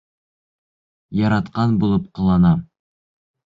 Яратҡан булып ҡылана